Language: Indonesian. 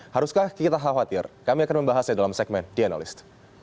haruskah kita khawatir kami akan membahasnya dalam segmen the analyst